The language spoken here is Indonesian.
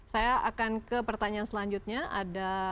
saya akan ke pertanyaan selanjutnya ada